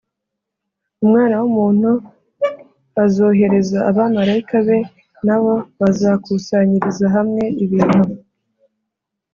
Umwana w umuntu azohereza abamarayika be na bo bazakusanyiriza hamwe ibintu